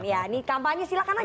ini kampanye silahkan aja